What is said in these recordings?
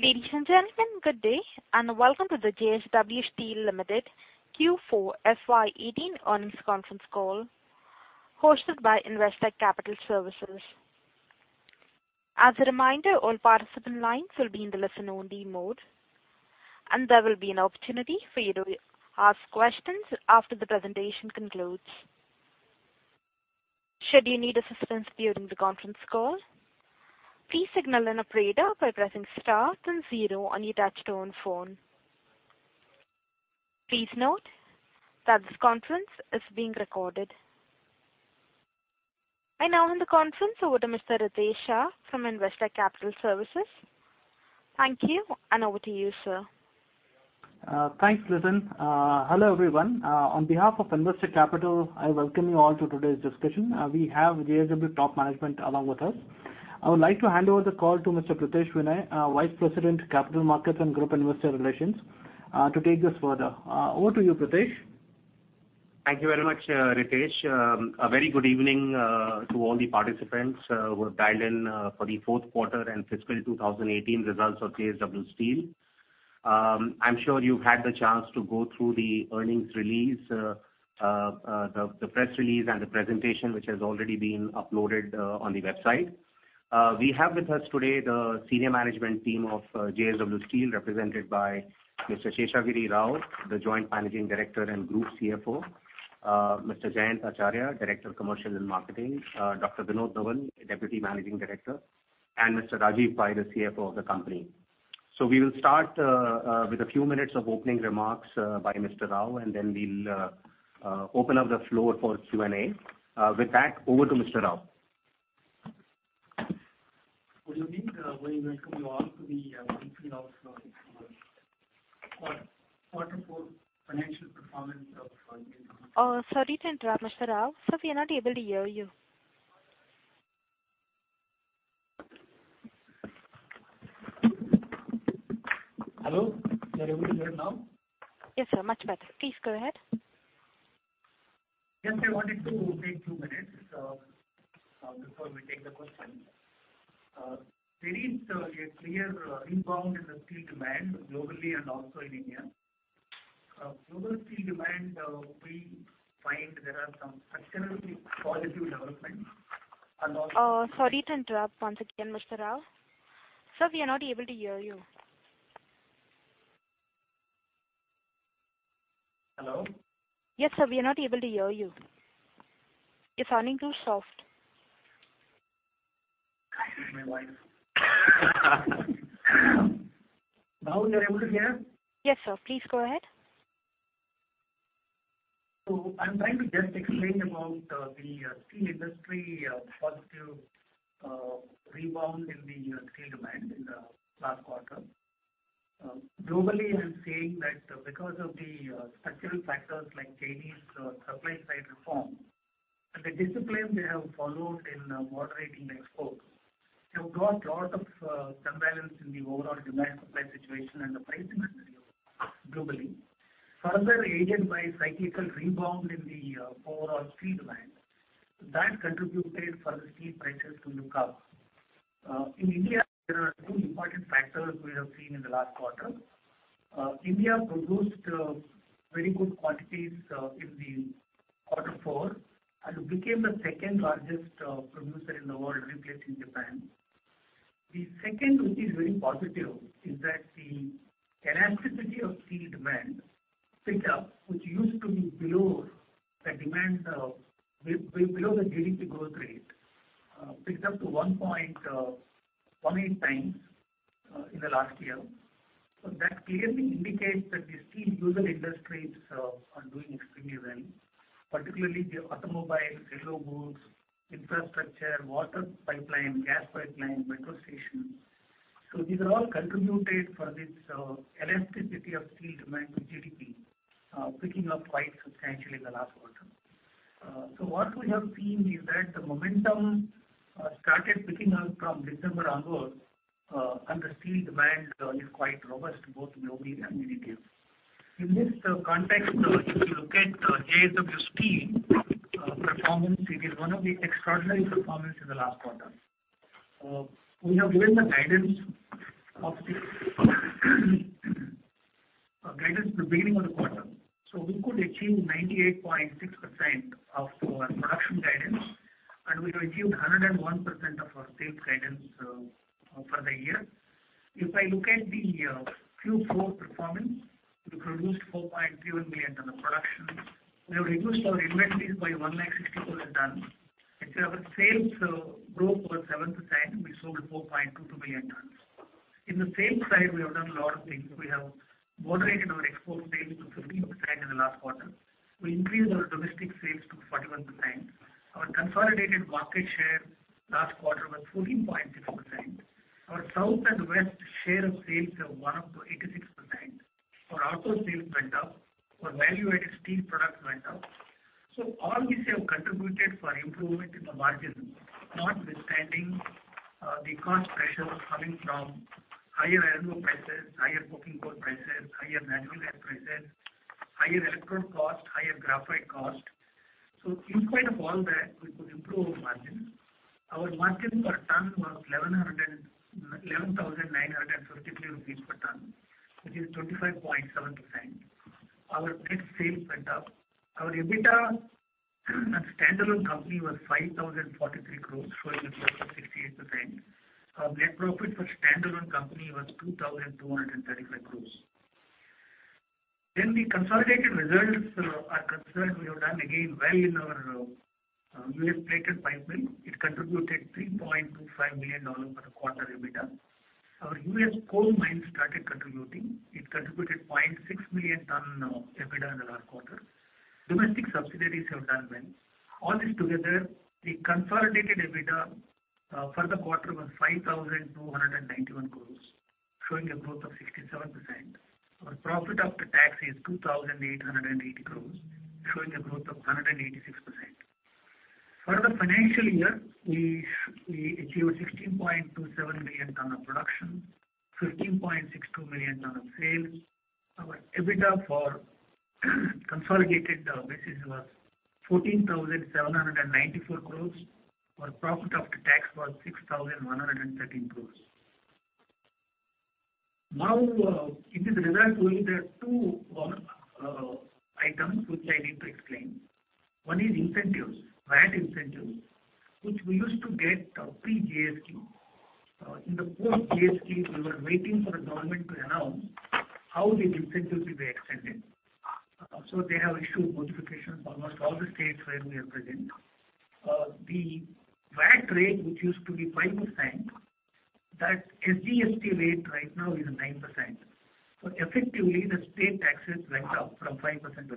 Ladies and gentlemen, good day, and welcome to the JSW Steel Limited Q4 FY18 earnings conference call hosted by Investec Capital Services. As a reminder, all participant lines will be in the listen-only mode, and there will be an opportunity for you to ask questions after the presentation concludes. Should you need assistance during the conference call, please signal an operator by pressing star and zero on your touch-tone phone. Please note that this conference is being recorded. I now hand the conference over to Mr. Ritesh Shah from Investec Capital Services. Thank you, and over to you, sir. Thanks, Liton. Hello everyone. On behalf of Investec Capital, I welcome you all to today's discussion. We have JSW top management along with us. I would like to hand over the call to Mr. Pritesh Vinay, Vice President, Capital Markets and Group Investor Relations, to take this further. Over to you, Pritesh. Thank you very much, Ritesh. A very good evening to all the participants who have dialed in for the fourth quarter and fiscal 2018 results of JSW Steel. I'm sure you've had the chance to go through the earnings release, the press release, and the presentation which has already been uploaded on the website. We have with us today the senior management team of JSW Steel, represented by Mr. Sheshagiri Rao, the Joint Managing Director and Group CFO, Mr. Jayant Acharya, Director of Commercial and Marketing, Dr. Vinod Nowal, Deputy Managing Director, and Mr. Rajeev Pai, the CFO of the company. We will start with a few minutes of opening remarks by Mr. Rao, and then we'll open up the floor for Q&A. With that, over to Mr. Rao. Good evening. We welcome you all to the Q4 financial performance of JSW Steel. Oh, sorry to interrupt, Mr. Rao. Sophie, I'm not able to hear you. Hello? Are you able to hear now? Yes, sir. Much better. Please go ahead. Yes, I wanted to take two minutes before we take the questions. There is a clear rebound in the steel demand globally and also in India. Global steel demand, we find there are some structurally positive developments. Oh, sorry to interrupt once again, Mr. Rao. Sophie, I'm not able to hear you. Hello? Yes, sir. We are not able to hear you. You're sounding too soft. Excuse my voice. Now you're able to hear? Yes, sir. Please go ahead. I'm trying to just explain about the steel industry positive rebound in the steel demand in the last quarter. Globally, I'm saying that because of the structural factors like Chinese supply-side reform and the discipline they have followed in moderating exports, we've got a lot of turbulence in the overall demand-supply situation and the price in the globally, further aided by cyclical rebound in the overall steel demand. That contributed for the steel prices to look up. In India, there are two important factors we have seen in the last quarter. India produced very good quantities in the quarter four and became the second largest producer in the world, replacing Japan. The second, which is very positive, is that the elasticity of steel demand picked up, which used to be below the GDP growth rate, picked up to 1.18 times in the last year. That clearly indicates that the steel user industries are doing extremely well, particularly the automobiles, railroads, infrastructure, water pipeline, gas pipeline, metro station. These are all contributed for this elasticity of steel demand to GDP, picking up quite substantially in the last quarter. What we have seen is that the momentum started picking up from December onwards, and the steel demand is quite robust both globally and in India. In this context, if you look at JSW Steel performance, it is one of the extraordinary performances in the last quarter. We have given the guidance of the beginning of the quarter. We could achieve 98.6% of our production guidance, and we've achieved 101% of our sales guidance for the year. If I look at the Q4 performance, we produced 4.31 million tonnes of production. We have reduced our inventories by 164,000 tonnes. If our sales growth was 7%, we sold 4.22 million tonnes. In the sales side, we have done a lot of things. We have moderated our export sales to 15% in the last quarter. We increased our domestic sales to 41%. Our consolidated market share last quarter was 14.6%. Our south and west share of sales have gone up to 86%. Our outdoor sales went up. Our value-added steel products went up. All these have contributed for improvement in the margins, notwithstanding the cost pressures coming from higher iron ore prices, higher coking coal prices, higher natural gas prices, higher electrode cost, higher graphite cost. In spite of all that, we could improve our margins. Our margin per tonne was 11,953 per tonne, which is 25.7%. Our net sales went up. Our EBITDA and standalone company was 5,043 crore, showing a growth of 68%. Our net profit for standalone company was 2,235 crore. As far as the consolidated results are concerned, we have done again well our US Plate and Pipe Mill. it contributed $3.25 million for the quarter EBITDA. Our US coal mines started contributing. It contributed 0.6 million tonne EBITDA in the last quarter. Domestic subsidiaries have done well. All this together, the consolidated EBITDA for the quarter was 5,291 crore, showing a growth of 67%. Our profit after tax is 2,880 crore, showing a growth of 186%. For the financial year, we achieved 16.27 million tonne of production, 15.62 million tonne of sales. Our EBITDA for consolidated basis was 14,794 crore. Our profit after tax was 6,113 crore. Now, in this result, there are two items which I need to explain. One is incentives, VAT incentives, which we used to get pre-GST. In the post-GST, we were waiting for the government to announce how these incentives will be extended. They have issued notifications to almost all the states where we are present. The VAT rate, which used to be 5%, that SGST rate right now is 9%. Effectively, the state taxes went up from 5% to 9%.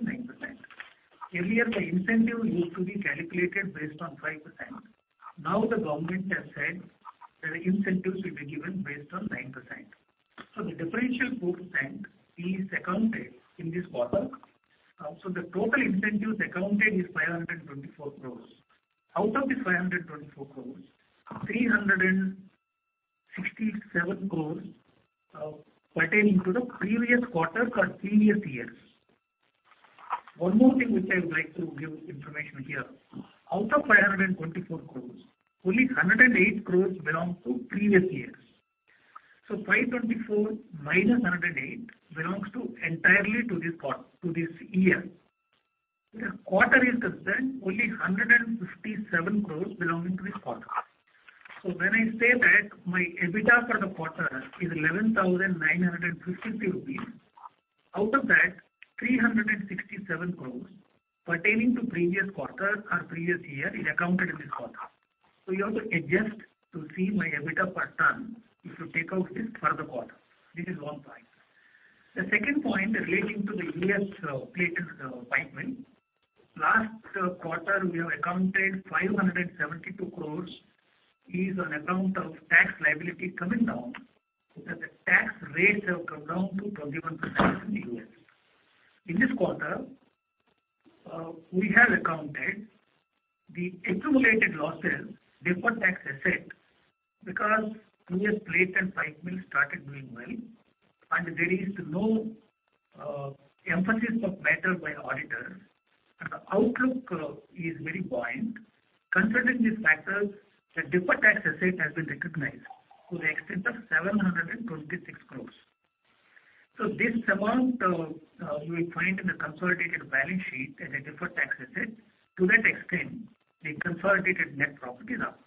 Earlier, the incentive used to be calculated based on 5%. Now the government has said that the incentives will be given based on 9%. The differential 4% is accounted in this quarter. The total incentives accounted is 524 crore. Out of these 524 crore, 367 crore pertaining to the previous quarter or previous years. One more thing which I would like to give information here. Out of 524 crore, only 108 crore belong to previous years. 524 crore minus 108 crore belongs entirely to this year. The quarter is concerned only 157 crore belonging to this quarter. When I say that my EBITDA for the quarter is 11,953 crore rupees, out of that, 367 crore pertaining to previous quarter or previous year is accounted in this quarter. You have to adjust to see my EBITDA per tonne if you take out this for the quarter. This is one point. The second point relating to the US plated pipeline. Last quarter, we have accounted 572 crore is on account of tax liability coming down because the tax rates have come down to 21% in the US. In this quarter, we have accounted the accumulated losses before tax asset because US plated pipeline started doing well, and there is no Emphasis of Matter by auditors, and the outlook is very buoyant. Considering these factors, the deferred tax asset has been recognized to the extent of 726 crore. This amount you will find in the consolidated balance sheet as a deferred tax asset. To that extent, the consolidated net profit is up.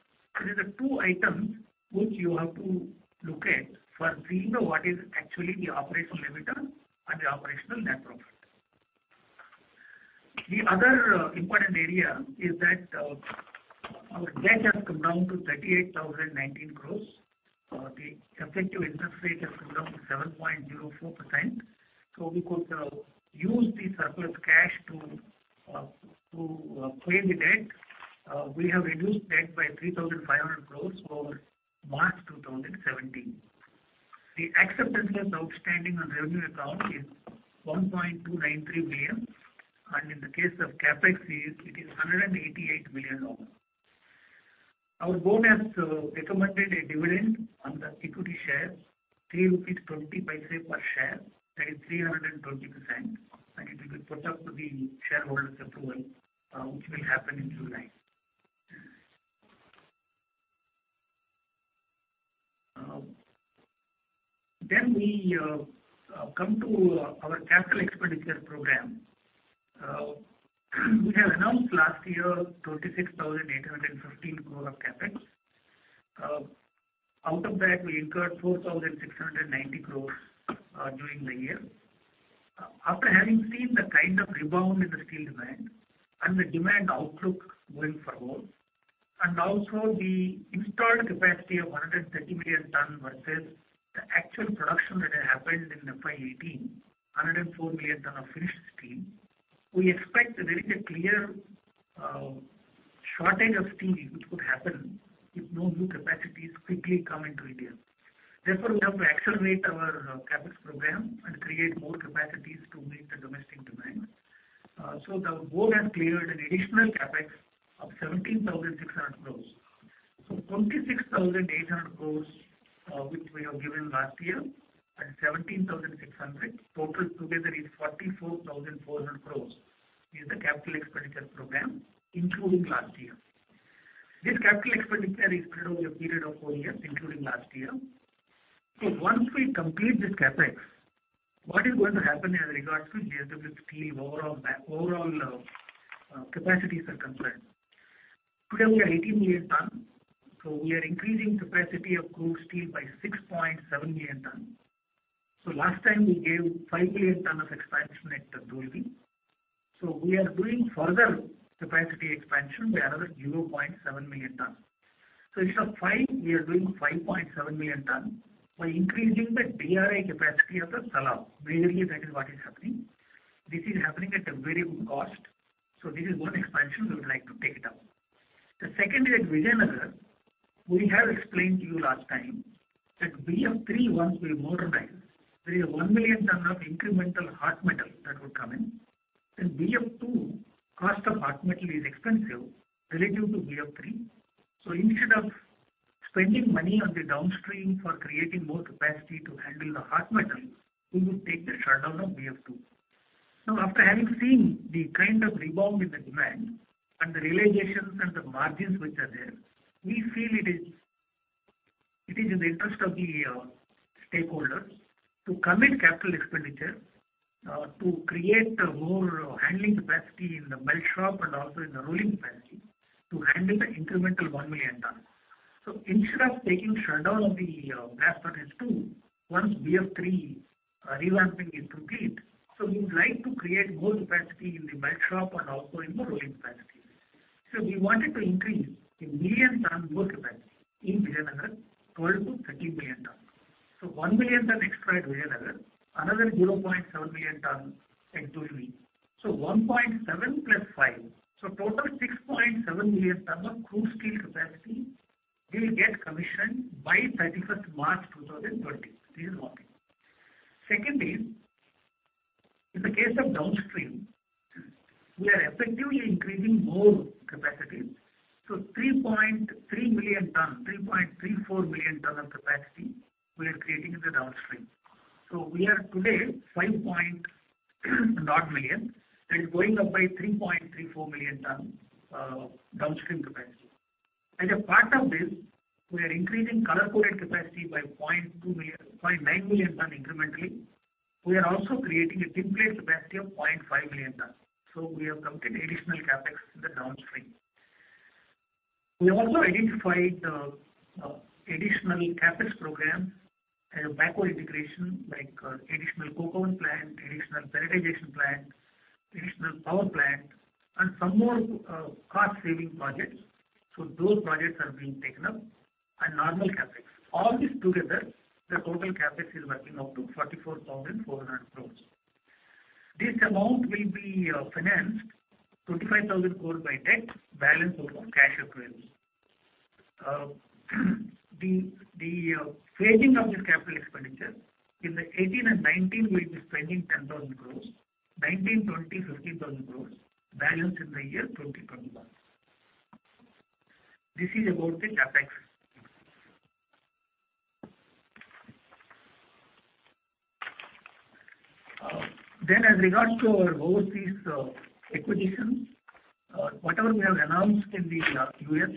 These are two items which you have to look at for seeing what is actually the operational EBITDA and the operational net profit. The other important area is that our debt has come down to 38,019 crore. The effective interest rate has come down to 7.04%. We could use the surplus cash to pay the debt. We have reduced debt by 3,500 crore over March 2017. The acceptance of outstanding on revenue account is 1.293 million, and in the case of CapEx, it is INR 188 million long. Our board has recommended a dividend on the equity share, 3.20 rupees per share. That is 320%, and it will be put up to the shareholders' approval, which will happen in July. We come to our capital expenditure program. We have announced last year 26,815 crore of CapEx. Out of that, we incurred 4,690 crore during the year. After having seen the kind of rebound in the steel demand and the demand outlook going forward, and also the installed capacity of 130 million tonne versus the actual production that happened in FY 2018, 104 million tonne of finished steel, we expect there is a clear shortage of steel which could happen if no new capacities quickly come into India. Therefore, we have to accelerate our CapEx program and create more capacities to meet the domestic demand. The board has cleared an additional CapEx of 17,600 crore. 26,800 crore, which we have given last year and 17,600 crore, total together is 44,400 crore is the capital expenditure program, including last year. This capital expenditure is spread over a period of four years, including last year. Once we complete this CapEx, what is going to happen in regards to JSW Steel overall capacity circumstance? Today, we are 18 million tonne. We are increasing capacity of crude steel by 6.7 million tonne. Last time, we gave 5 million tonne of expansion at Dolvi. We are doing further capacity expansion by another 0.7 million tonne. Instead of 5, we are doing 5.7 million tonne by increasing the DRI capacity of the Salem. Majorly, that is what is happening. This is happening at a very good cost. This is one expansion we would like to take up. The second is at Vijayanagar. We have explained to you last time that BF3, once we modernize, there is a 1 million tonne of incremental hot metal that would come in. BF2, cost of hot metal is expensive relative to BF3. Instead of spending money on the downstream for creating more capacity to handle the hot metal, we would take the shutdown of BF2. Now, after having seen the kind of rebound in the demand and the realizations and the margins which are there, we feel it is in the interest of the stakeholders to commit capital expenditure to create more handling capacity in the melt shop and also in the rolling capacity to handle the incremental 1 million tonne. Instead of taking shutdown of the gas turbines too once BF3 revamping is complete, we would like to create more capacity in the melt shop and also in the rolling capacity. We wanted to increase the million tonne more capacity in Vijayanagar, 12 to 13 million tonne. One million tonne extra at Vijayanagar, another 0.7 million tonne at Dolvi. One point seven plus five, so total 6.7 million tonne of crude steel capacity will get commissioned by 31st March 2020. This is one thing. Second is, in the case of downstream, we are effectively increasing more capacity. Three point three million tonne, 3.34 million tonne of capacity we are creating in the downstream. We are today 5.00 million. That is going up by 3.34 million tonne downstream capacity. As a part of this, we are increasing color-coated capacity by 0.9 million tonne incrementally. We are also creating a tinplate capacity of 0.5 million tonne. We have committed additional CapEx in the downstream. We also identified additional CapEx programs as a backward integration, like additional coke oven plant, additional beneficiation plant, additional power plant, and some more cost-saving projects. Those projects are being taken up and normal CapEx. All this together, the total CapEx is working up to 44,400 crore. This amount will be financed 25,000 crore by debt, balance out of cash equivalent. The phasing of this capital expenditure in the 2018 and 2019, we'll be spending 10,000 crore, 2019, 2020, 15,000 crore, balanced in the year 2021. This is about the CapEx. As regards to our overseas acquisitions, whatever we have announced in the U.S.,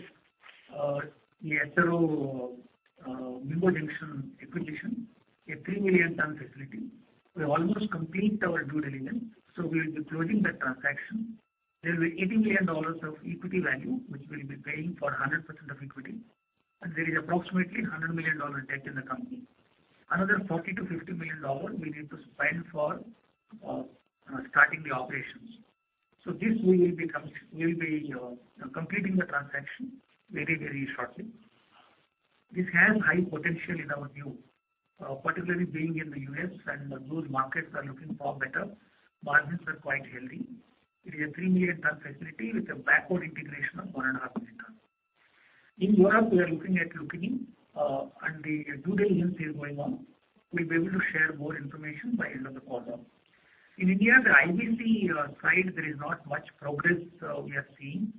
Acero Junction acquisition, a 3 million tonne facility. We have almost completed our due diligence, so we will be closing that transaction. There will be $80 million of equity value, which we will be paying for 100% of equity. There is approximately $100 million debt in the company. Another $40-$50 million we need to spend for starting the operations. We will be completing the transaction very, very shortly. This has high potential in our view, particularly being in the US, and those markets are looking far better. Margins are quite healthy. It is a 3 million tonne facility with a backward integration of 1.5 million tonne. In Europe, we are looking at Lucchini, and the due diligence is going on. We'll be able to share more information by the end of the quarter. In India, the IBC side, there is not much progress we are seeing.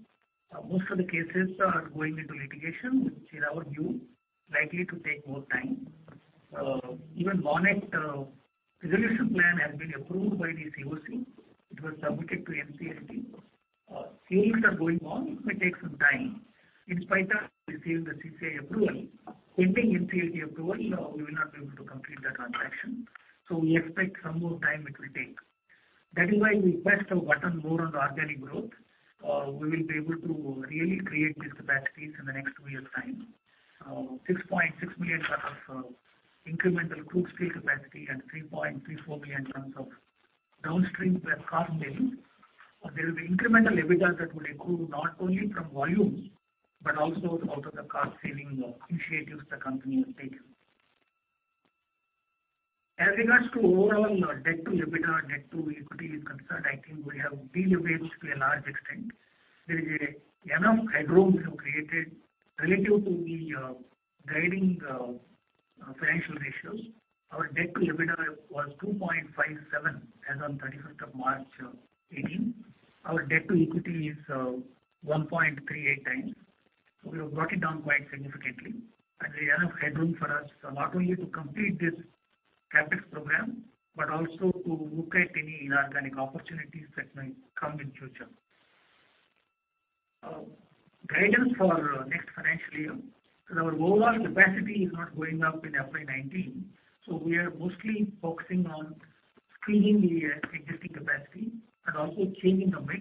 Most of the cases are going into litigation, which in our view is likely to take more time. Even Monnet resolution plan has been approved by the COC. It was submitted to NCLT. Fields are going on. It may take some time. In spite of receiving the CCI approval, pending NCLT approval, we will not be able to complete the transaction. We expect some more time it will take. That is why we pressed a button more on the organic growth. We will be able to really create these capacities in the next two years' time. 6.6 million tonne of incremental crude steel capacity and 3.34 million tonne of downstream cost billing. There will be incremental EBITDA that will accrue not only from volume but also out of the cost-saving initiatives the company has taken. As regards to overall debt to EBITDA, debt to equity is concerned, I think we have deleveraged to a large extent. There is enough headroom we have created relative to the guiding financial ratios. Our debt to EBITDA was 2.57 as of 31 March 2018. Our debt to equity is 1.38 times. We have brought it down quite significantly, and there is enough headroom for us not only to complete this CapEx program but also to look at any inorganic opportunities that may come in future. Guidance for next financial year. Our overall capacity is not going up in FY 2019, so we are mostly focusing on screening the existing capacity and also changing the mix,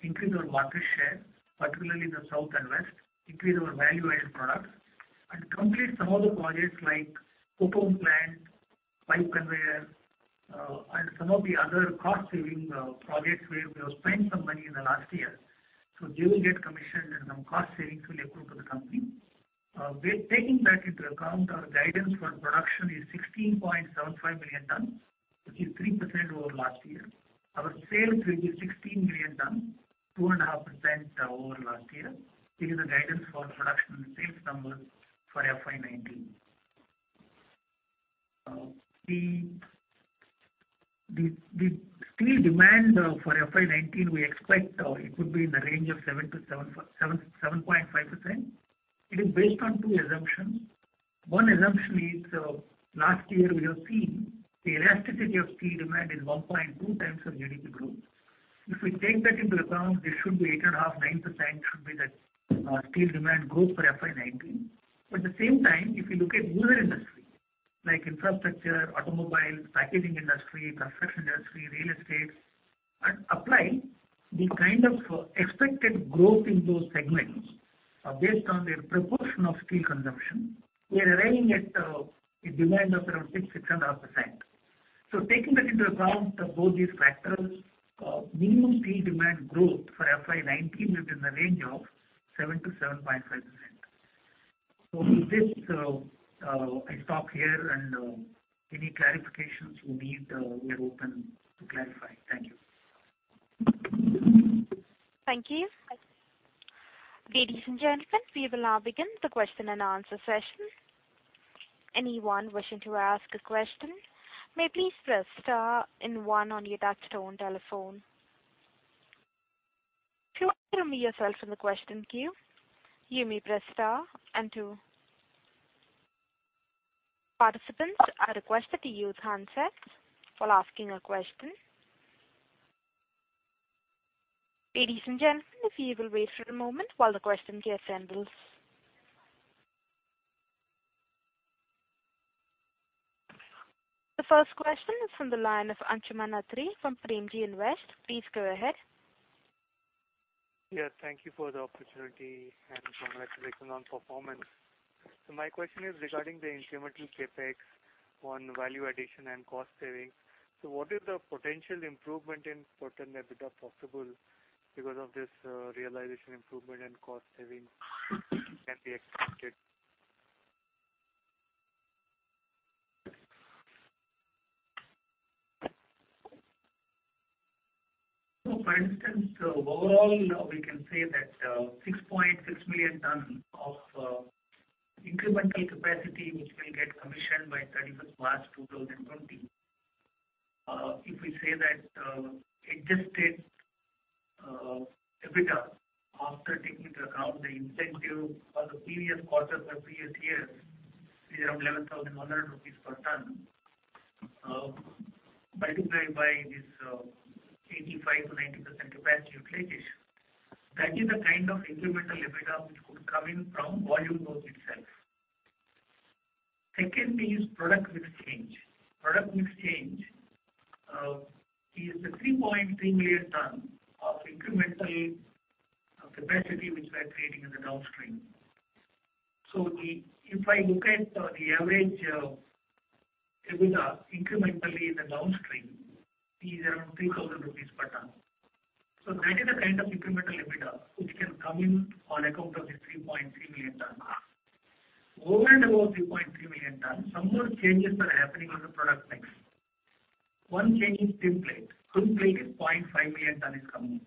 increase our market share, particularly in the south and west, increase our value-added products, and complete some of the coke oven plant, pipe conveyor, and some of the other cost-saving projects where we have spent some money in the last year. They will get commissioned, and some cost savings will accrue to the company. Taking that into account, our guidance for production is 16.75 million tonne, which is 3% over last year. Our sales will be 16 million tonne, 2.5% over last year. This is the guidance for production and sales numbers for FY19. The steel demand for FY19, we expect it would be in the range of 7-7.5%. It is based on two assumptions. One assumption is last year we have seen the elasticity of steel demand is 1.2 times of GDP growth. If we take that into account, there should be 8.5%, 9% should be the steel demand growth for FY19. At the same time, if you look at the industry like infrastructure, automobile, packaging industry, construction industry, real estate, and apply the kind of expected growth in those segments based on their proportion of steel consumption, we are arriving at a demand of around 6, 6.5%. Taking that into account, both these factors, minimum steel demand growth for FY19 will be in the range of 7-7.5%. With this, I stop here, and any clarifications we need, we are open to clarify. Thank you. Thank you. Ladies and gentlemen, we will now begin the question and answer session. Anyone wishing to ask a question may please press star and one on your touchstone telephone. If you want to remove yourself from the question queue, you may press star and two. Participants, I request that you use handsets while asking a question. Ladies and gentlemen, if you will wait for a moment while the question queue assembles. The first question is from the line of Anshuman Atri from Premji Invest. Please go ahead. Yes, thank you for the opportunity and congratulations on performance. My question is regarding the incremental CapEx on value addition and cost savings. What is the potential improvement in total EBITDA possible because of this realization improvement and cost savings can be expected? For instance, overall, we can say that 6.6 million tonne of incremental capacity which will get commissioned by 31 March 2020, if we say that adjusted EBITDA after taking into account the incentive for the previous quarter for previous years, it is around INR 11,100 per tonne. Multiply by this 85-90% capacity utilization. That is the kind of incremental EBITDA which could come in from volume growth itself. Second is product mix change. Product mix change is the 3.3 million tonne of incremental capacity which we are creating in the downstream. If I look at the average EBITDA incrementally in the downstream, it is around 3,000 rupees per tonne. That is the kind of incremental EBITDA which can come in on account of this 3.3 million tonne. Over and above 3.3 million tonne, some more changes are happening in the product mix. One change is tinplate. tinplate is 0.5 million tonne is coming in.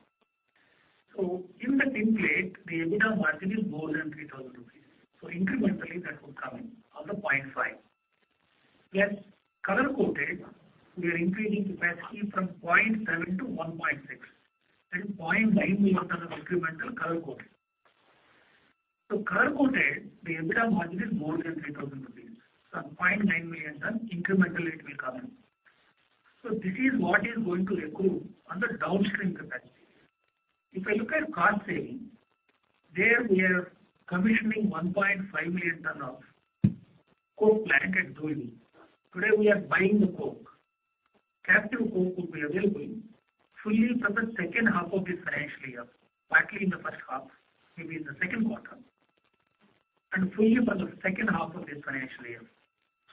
In the tinplate, the EBITDA margin is more than 3,000 rupees. Incrementally, that would come in on the 0.5. Plus, color-coated, we are increasing capacity from 0.7 to 1.6. That is 0.9 million tonne of incremental color-coated. Color-coated, the EBITDA margin is more than 3,000 rupees. So 0.9 million tonne incrementally it will come in. This is what is going to accrue on the downstream capacity. If I look at cost saving, there we are commissioning 1.5 million tonne of coke plant at Dolvi. Today, we are buying the coke. Captive coke will be available fully for the second half of this financial year, partly in the first half, maybe in the second quarter, and fully for the second half of this financial year.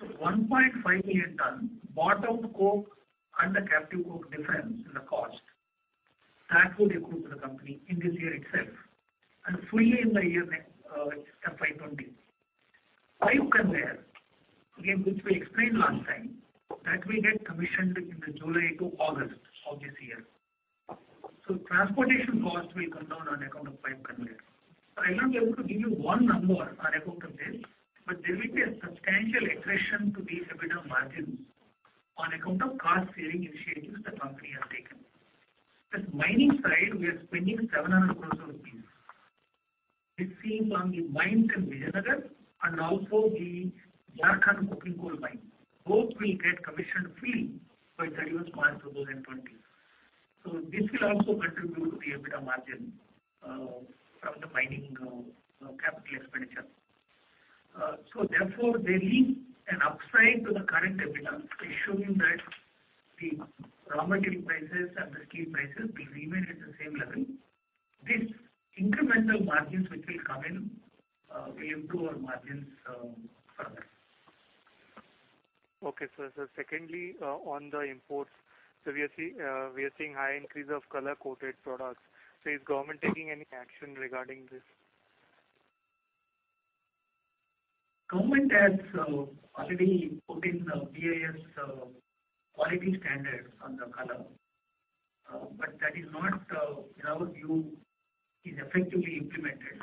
So 1.5 million tonne bought out coke and the captive coke difference in the cost, that would accrue to the company in this year itself and fully in the year FY20. Pipe conveyor, again, which we explained last time, that will get commissioned in the July to August of this year. Transportation cost will come down on account of pipe conveyor. I will not be able to give you one number on account of this, but there will be a substantial attrition to these EBITDA margins on account of cost-saving initiatives the company has taken. As mining side, we are spending 700 crore rupees. This is on the mines in Vijayanagar and also the Jharkhand coking coal mine. Both will get commissioned fully by 31 March 2020. This will also contribute to the EBITDA margin from the mining capital expenditure. Therefore, there is an upside to the current EBITDA, ensuring that the raw material prices and the steel prices will remain at the same level. This incremental margins which will come in will improve our margins further. Okay. Secondly, on the imports, we are seeing high increase of color-coated products. Is government taking any action regarding this? Government has already put in the BIS quality standards on the color, but that is not, in our view, effectively implemented.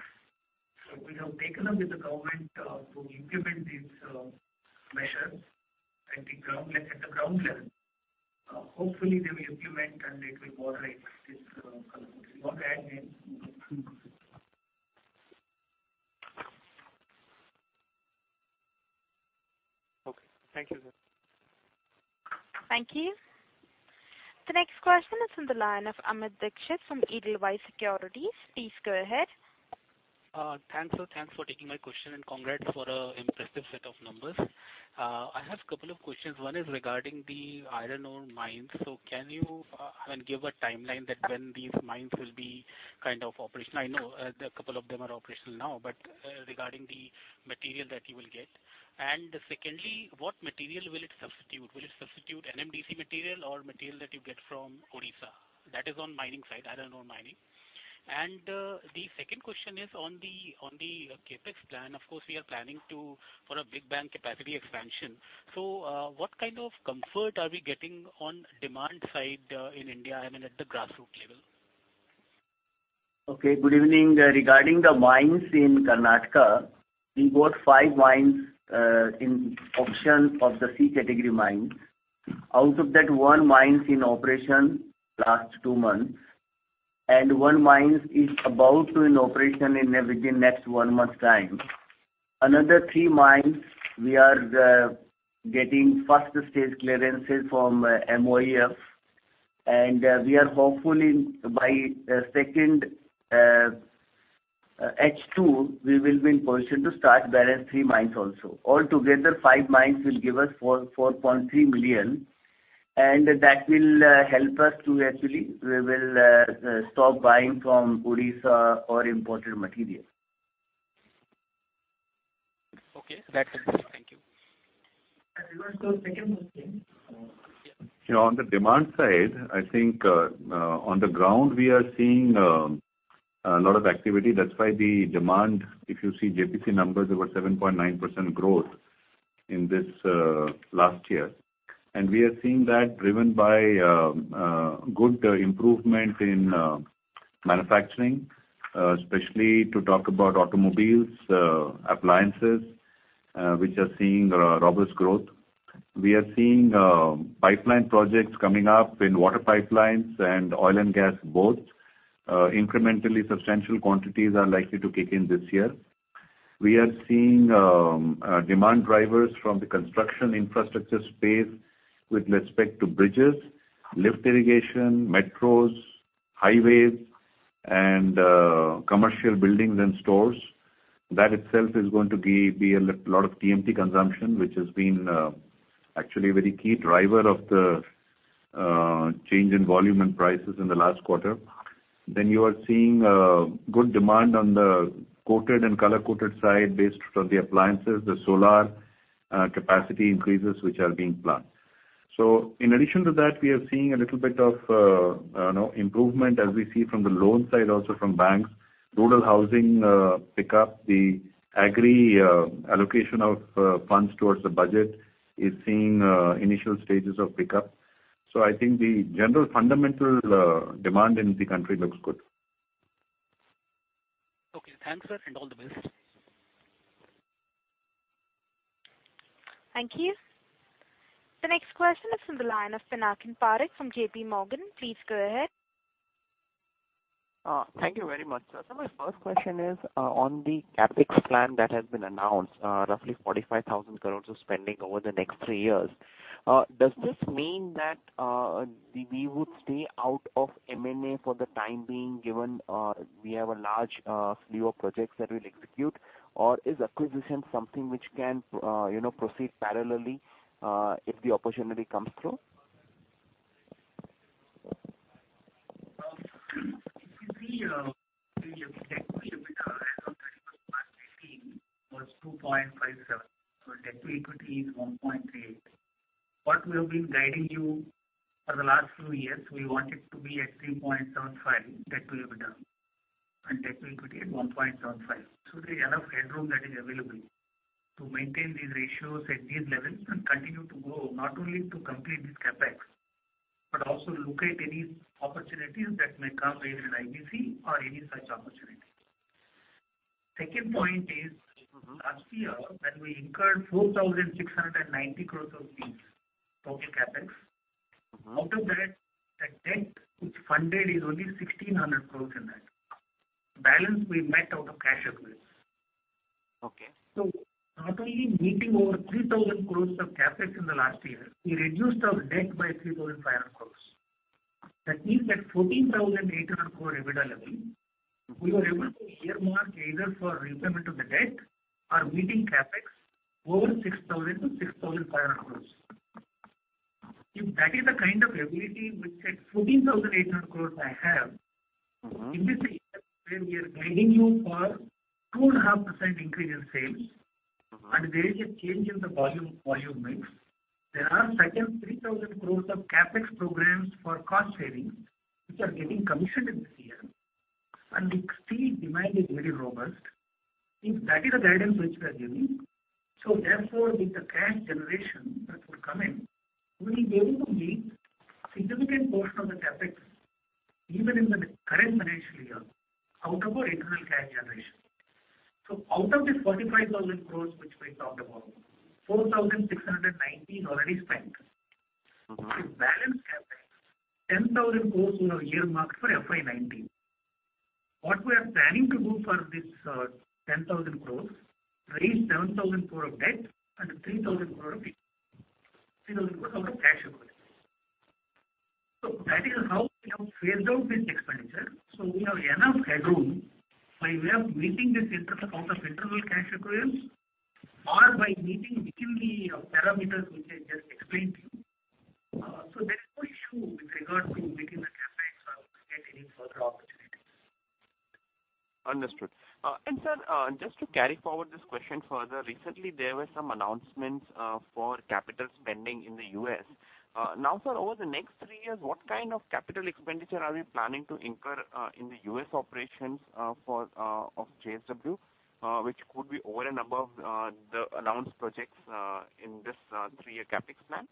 We have taken up with the government to implement these measures at the ground level. Hopefully, they will implement and it will moderate this color. If you want to add names, you may. Okay. Thank you, sir. Thank you. The next question is from the line of Amit Dixit from Edelweiss Securities. Please go ahead. Thanks, sir. Thanks for taking my question and congrats for an impressive set of numbers. I have a couple of questions. One is regarding the iron ore mines. Can you give a timeline that when these mines will be kind of operational? I know a couple of them are operational now, but regarding the material that you will get. Secondly, what material will it substitute? Will it substitute NMDC material or material that you get from Odisha? That is on mining side, iron ore mining. The second question is on the CapEx plan. Of course, we are planning for a big bang capacity expansion. What kind of comfort are we getting on the demand side in India and at the grassroots level? Okay. Good evening. Regarding the mines in Karnataka, we bought five mines in auction of the C category mines. Out of that, one mine is in operation last two months, and one mine is about to be in operation within the next one month's time. Another three mines, we are getting first stage clearances from MOEF, and we are hopefully by second half, we will be in position to start balance three mines also. Altogether, five mines will give us 4.3 million, and that will help us to actually stop buying from Odisha or imported material. Okay. That's it. Thank you. On the demand side, I think on the ground, we are seeing a lot of activity. That's why the demand, if you see JPC numbers, there was 7.9% growth in this last year. We are seeing that driven by good improvement in manufacturing, especially to talk about automobiles, appliances, which are seeing robust growth. We are seeing pipeline projects coming up in water pipelines and oil and gas both. Incrementally, substantial quantities are likely to kick in this year. We are seeing demand drivers from the construction infrastructure space with respect to bridges, lift irrigation, metros, highways, and commercial buildings and stores. That itself is going to be a lot of TMT consumption, which has been actually a very key driver of the change in volume and prices in the last quarter. You are seeing good demand on the coated and color-coated side based on the appliances, the solar capacity increases which are being planned. In addition to that, we are seeing a little bit of improvement as we see from the loan side, also from banks, rural housing pickup, the agri allocation of funds towards the budget is seeing initial stages of pickup. I think the general fundamental demand in the country looks good. Okay. Thanks, sir, and all the best. Thank you. The next question is from the line of Pinakin Parekh from JP Morgan. Please go ahead. Thank you very much, sir. My first question is on the CapEx plan that has been announced, roughly 45,000 crore of spending over the next three years. Does this mean that we would stay out of M&A for the time being given we have a large slew of projects that we will execute, or is acquisition something which can proceed parallelly if the opportunity comes through? If you see the Debt to EBITDA as of 31 March 2018 was 2.57. Debt to Equity is 1.38. We have been guiding you for the last few years. We want it to be at 3.75, Debt to EBITDA, and Debt to Equity at 1.75. There is enough headroom that is available to maintain these ratios at these levels and continue to grow, not only to complete this CapEx, but also look at any opportunities that may come either in IBC or any such opportunity. Second point is last year when we incurred 4,690 crore of fees, total CapEx. Out of that, the debt which funded is only 1,600 crore in that. Balance we met out of cash equivalence. Not only meeting over 3,000 crore of CapEx in the last year, we reduced our debt by 3,500 crore. That means at 14,800 crore EBITDA level, we were able to earmark either for repayment of the debt or meeting CapEx over 6,000-6,500 crore. If that is the kind of ability which at 14,800 crore I have, in this year where we are guiding you for 2.5% increase in sales and there is a change in the volume mix, there are certain 3,000 crore of CapEx programs for cost savings which are getting commissioned this year, and the steel demand is very robust. If that is the guidance which we are giving, therefore with the cash generation that would come in, we will be able to meet a significant portion of the CapEx even in the current financial year out of our internal cash generation. Out of the 45,000 crore which we talked about, 4,690 crore is already spent. To balance CapEx, INR 10,000 crore will be earmarked for FY 2019. What we are planning to do for this 10,000 crore is raise 7,000 crore of debt and 3,000 crore of cash equivalence. That is how we have phased out this expenditure. We have enough headroom by way of meeting this out of internal cash equivalence or by meeting within the parameters which I just explained to you. There is no issue with regard to meeting the CapEx or getting any further opportunities. Understood. Sir, just to carry forward this question further, recently there were some announcements for capital spending in the US. Now, sir, over the next three years, what kind of capital expenditure are we planning to incur in the US operations of JSW, which could be over and above the announced projects in this three-year CapEx plan?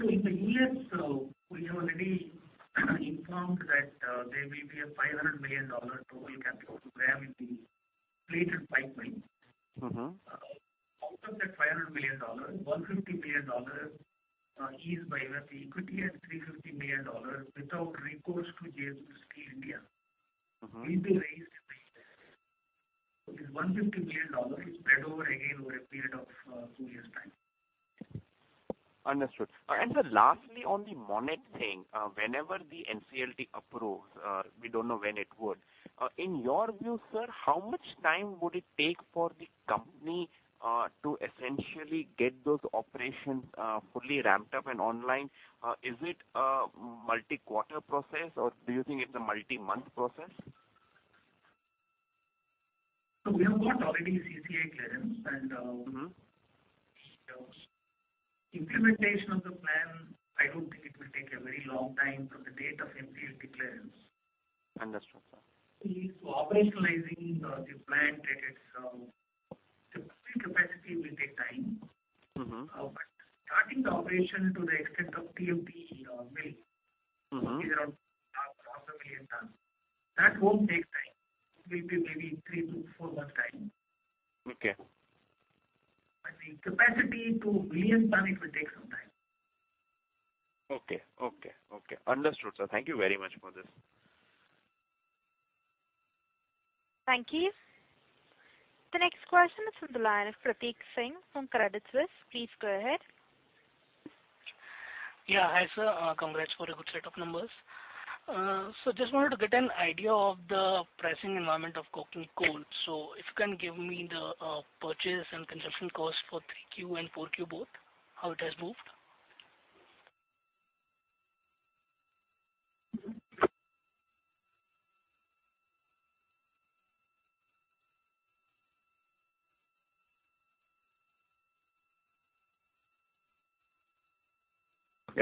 In the US, we have already informed that there will be a $500 million total capital program in the plate and pipe line. Out of that $500 million, $150 million is by MSC equity and $350 million without recourse to JSW Steel India will be raised in the US. This $150 million is spread over again over a period of two years' time. Understood. Sir, lastly, on the Monnet thing, whenever the NCLT approves, we do not know when it would. In your view, sir, how much time would it take for the company to essentially get those operations fully ramped up and online? Is it a multi-quarter process, or do you think it is a multi-month process? We have got already CCI clearance, and implementation of the plan, I do not think it will take a very long time from the date of NCLT clearance. Understood, sir. At least operationalizing the plant at its capacity will take time. Starting the operation to the extent of TMT mill, which is around 500,000 tons, that will not take time. It will be maybe three to four months' time. The capacity to 1 million tons, it will take some time. Okay. Okay. Okay. Understood, sir. Thank you very much for this. Thank you. The next question is from the line of Prateek Singh from Credit Suisse. Please go ahead. Yeah. Hi, sir. Congrats for a good set of numbers. Just wanted to get an idea of the pricing environment of coking coal. If you can give me the purchase and consumption cost for 3Q and 4Q both, how it has moved.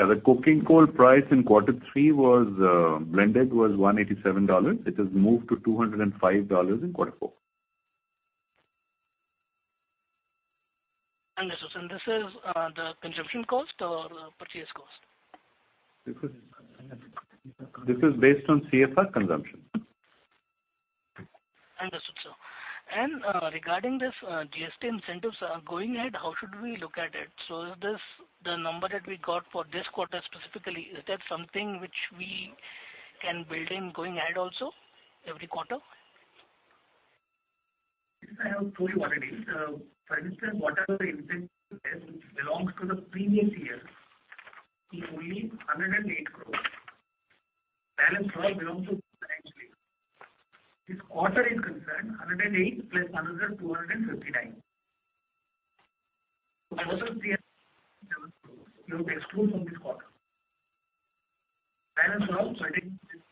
Yeah. The coking coal price in quarter three was blended was $187. It has moved to $205 in quarter four. Understood. Is this the consumption cost or purchase cost? This is based on CFR consumption. Understood, sir. Regarding this GST incentives going ahead, how should we look at it? Is this the number that we got for this quarter specifically, is that something which we can build in going ahead also every quarter? I'll tell you what it is. For instance, whatever incentive belongs to the previous year, it's only 108 crore. Balance 12 belongs to financial year. This quarter is concerned, 108 crore plus another 259 crore. What is the INR 108 crore you have excluded from this quarter? Balance 12, INR 108 crore.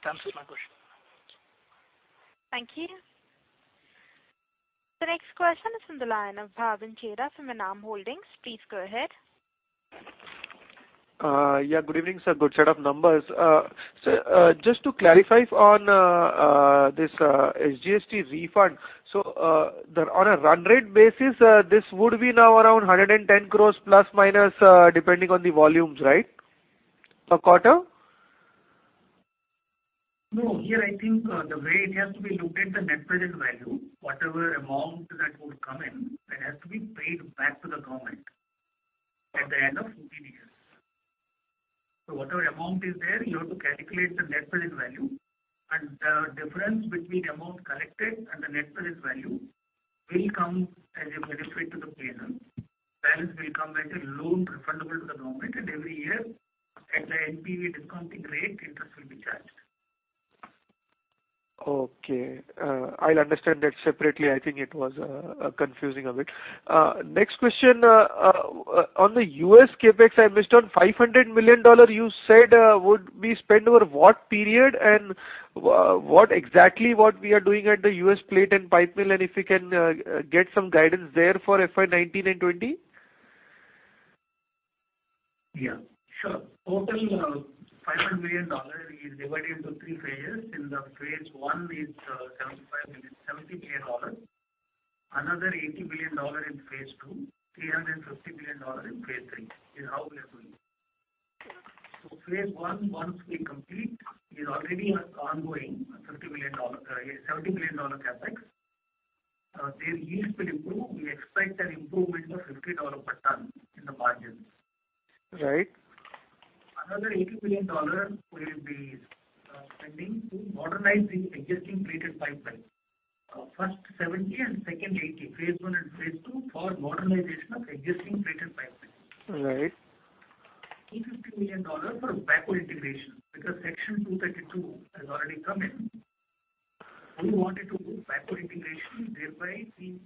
That answers my question. Thank you. The next question is from the line of Bhavin Chheda from Enam Holdings. Please go ahead. Yeah. Good evening, sir. Good set of numbers. Sir, just to clarify on this SGST refund, on a run rate basis, this would be now around 110 crore plus minus depending on the volumes, right, per quarter? No. Here, I think the way it has to be looked at, the net present value, whatever amount that would come in, it has to be paid back to the government at the end of 14 years. So whatever amount is there, you have to calculate the net present value, and the difference between amount collected and the net present value will come as a benefit to the payer. Balance will come as a loan refundable to the government, and every year at the NPV discounting rate, interest will be charged. Okay. I'll understand that separately. I think it was confusing a bit. Next question. On the US CapEx, I missed on $500 million. You said would be spent over what period and exactly what we are doing at the US plate and pipe mill, and if you can get some guidance there for FY 2019 and 2020? Yeah. Sure. Total $500 million is divided into three phases. In the phase one is $70 million, another $80 million in phase two, $350 million in phase three. This is how we are doing. Phase one, once we complete, is already ongoing $70 million CapEx. Then yields will improve. We expect an improvement of $50 per ton in the margins. Right. Another $80 million will be spending to modernize the existing plate and pipe mill. First 70 and second 80, phase one and phase two for modernization of existing plate and pipe mill. Right. $250 million for backward integration because Section 232 has already come in. We wanted to do backward integration, thereby the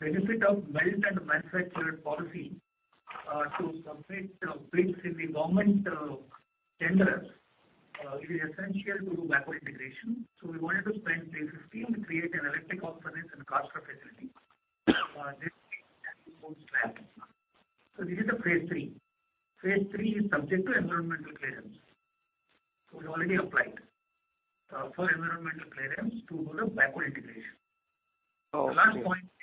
Melted and Manufactured policy to submit bids in the government tenders. It is essential to do backward integration. We wanted to spend $350 million and create an electric arc furnace and caster facility. This is the phase three. Phase three is subject to environmental clearance. We already applied for environmental clearance to do the backward integration. The last point here,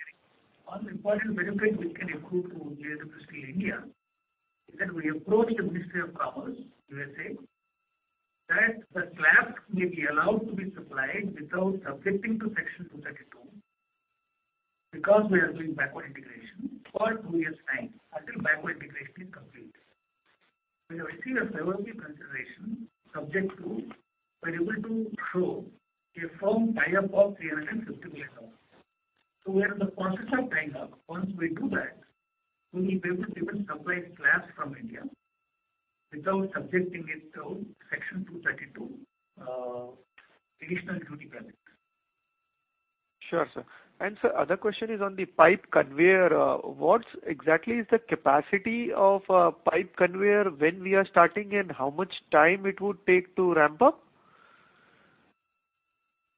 one important benefit which can include to JSW Steel India is that we approached the Ministry of Commerce, U.S.A., that the slab may be allowed to be supplied without subjecting to Section 232 because we are doing backward integration for two years' time until backward integration is complete. We have received a favorable consideration subject to we are able to show a firm tie-up of $350 million. We are in the process of tying up. Once we do that, we will be able to even supply slab from India without subjecting it to Section 232 additional duty credit. Sure, sir. Sir, other question is on the pipe conveyor. What exactly is the capacity of pipe conveyor when we are starting and how much time it would take to ramp up?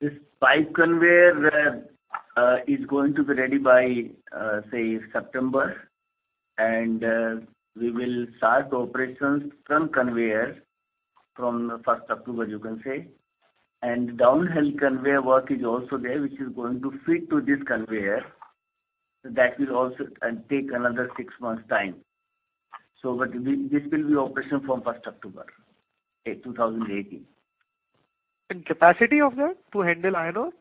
This pipe conveyor is going to be ready by, say, September, and we will start operations from conveyor from the first October, you can say. Downhill conveyor work is also there, which is going to fit to this conveyor. That will also take another six months' time. This will be operation from first October 2018. Capacity of that to handle iron ore?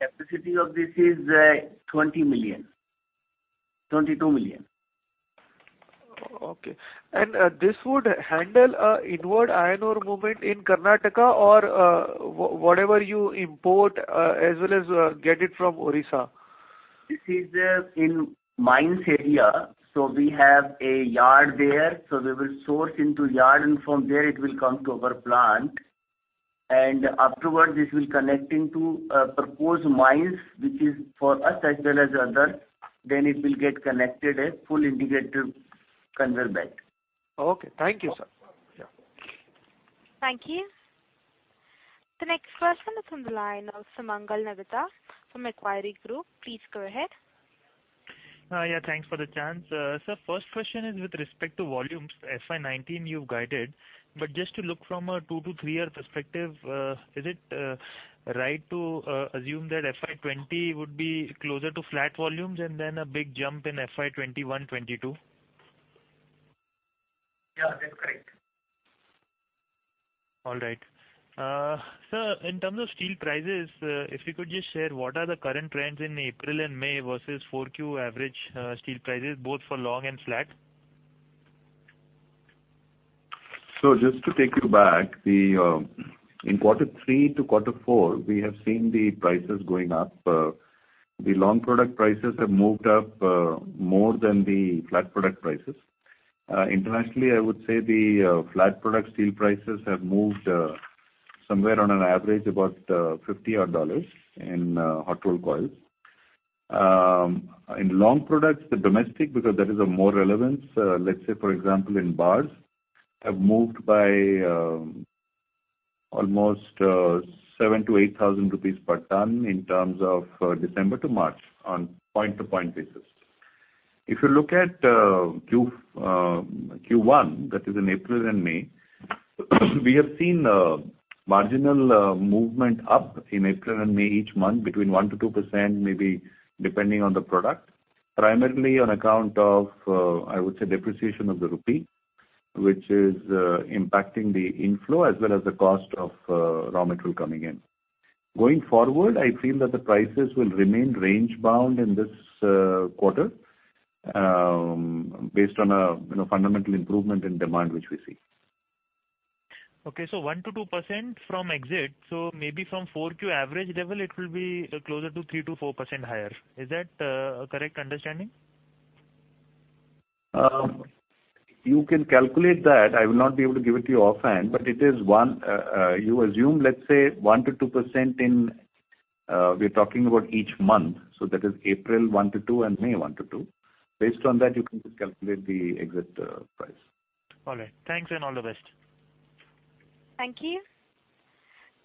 Capacity of this is 20 million, 22 million. Okay. This would handle inward iron ore movement in Karnataka or whatever you import as well as get it from Odisha. This is in mines area. We have a yard there. We will source into yard, and from there it will come to our plant. Afterward, this will connect into proposed mines, which is for us as well as others. It will get connected as full integrated conveyor belt. Thank you, sir. Thank you. The next question is from the line of Sumangal Nevatia from Macquarie Group. Please go ahead. Thanks for the chance. Sir, first question is with respect to volumes, FY19 you have guided. Just to look from a two to three-year perspective, is it right to assume that FY20 would be closer to flat volumes and then a big jump in FY21, 22? That's correct. All right. Sir, in terms of steel prices, if you could just share what are the current trends in April and May versus Q4 average steel prices, both for long and flat? Just to take you back, in quarter three to quarter four, we have seen the prices going up. The long product prices have moved up more than the flat product prices. Internationally, I would say the flat product steel prices have moved somewhere on an average about $50 in hot roll coils. In long products, the domestic, because that is of more relevance, let's say, for example, in bars, have moved by almost 7,000-8,000 rupees per ton in terms of December to March on point-to-point basis. If you look at Q1, that is in April and May, we have seen marginal movement up in April and May each month between 1-2%, maybe depending on the product, primarily on account of, I would say, depreciation of the rupee, which is impacting the inflow as well as the cost of raw material coming in. Going forward, I feel that the prices will remain range-bound in this quarter based on a fundamental improvement in demand which we see. Okay. So 1-2% from exit. So maybe from Q4 average level, it will be closer to 3-4% higher. Is that a correct understanding? You can calculate that. I will not be able to give it to you offhand, but it is one. You assume, let's say, 1-2% in we're talking about each month. That is April 1 to 2 and May 1 to 2. Based on that, you can just calculate the exit price. All right. Thanks and all the best. Thank you.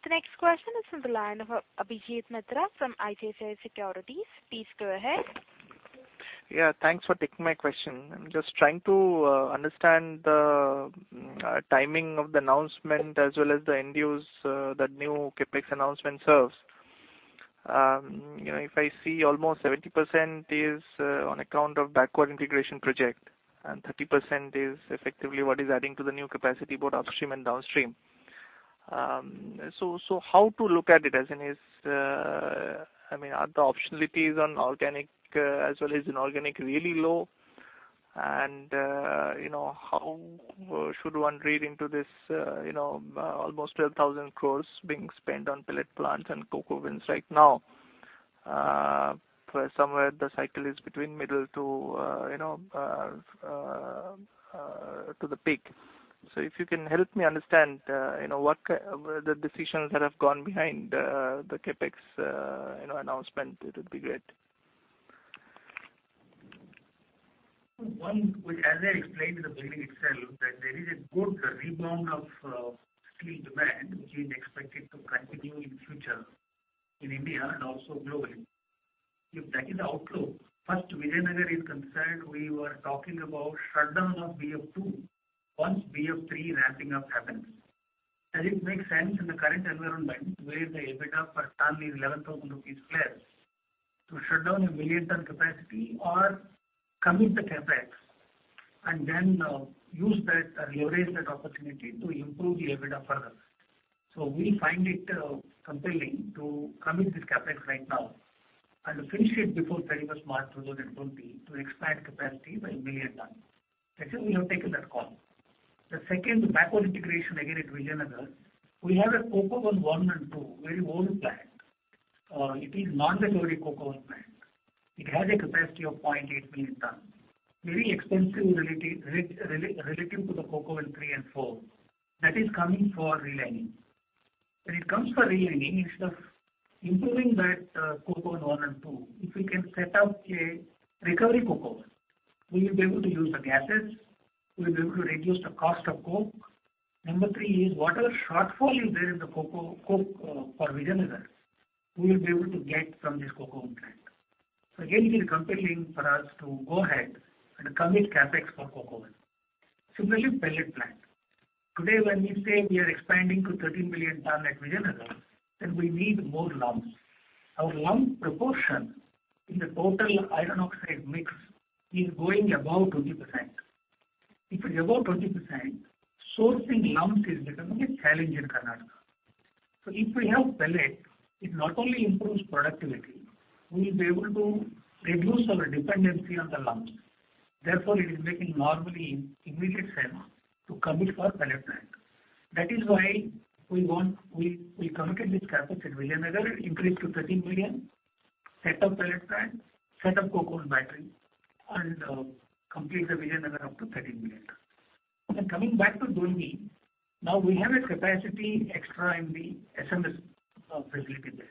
The next question is from the line of Abhijit Mitra from ICICI Securities. Please go ahead. Yeah. Thanks for taking my question. I'm just trying to understand the timing of the announcement as well as the new CapEx announcement serves. If I see almost 70% is on account of backward integration project and 30% is effectively what is adding to the new capacity both upstream and downstream. How to look at it as it is? I mean, are the optionalities on organic as well as inorganic really low? How should one read into this almost 12,000 crore being spent on pellet plants and coke ovens right now? Somewhere the cycle is between middle to the peak. If you can help me understand what the decisions that have gone behind the CapEx announcement, it would be great. As I explained in the beginning itself, there is a good rebound of steel demand which is expected to continue in the future in India and also globally. If that is the outlook, first, as far as Vijayanagar is concerned, we were talking about shutdown of BF2 once BF3 ramping up happens. Does it make sense in the current environment where the EBITDA per ton is 11,000 rupees flat to shut down a million-ton capacity or commit the CapEx and then use that leverage, that opportunity, to improve the EBITDA further? We find it compelling to commit this CapEx right now and finish it before 31 March 2020 to expand capacity by a million ton. That is why we have taken that call. The second, backward integration again at Vijayanagar, we have a coke oven 1 and 2, very old plant. It is non-recovery coke oven plant. It has a capacity of 0.8 million ton, very expensive relative to the coke oven 3 and 4. That is coming for relining. When it comes for relining, instead of improving that coke oven 1 and 2, if we can set up a recovery coke, we will be able to use the gases. We will be able to reduce the cost of coke. Number three is whatever shortfall is there in the coke for Vijayanagar, we will be able to get from this coke oven plant. It is compelling for us to go ahead and commit CapEx for coke oven. Similarly, pellet plant. Today, when we say we are expanding to 13 million ton at Vijayanagar, then we need more lumps. Our lump proportion in the total iron oxide mix is going above 20%. If it's above 20%, sourcing lumps is becoming a challenge in Karnataka. If we have pellet, it not only improves productivity, we will be able to reduce our dependency on the lumps. Therefore, it is making normally immediate sense to commit for pellet plant. That is why we committed this CapEx at Vijayanagar, increased to 13 million, set up pellet plant, set up coke oven battery, and complete the Vijayanagar up to 13 million ton. Coming back to Dolvi, now we have a capacity extra in the SMS facility there.